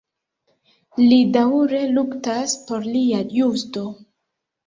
Li daŭre luktas por lia justo.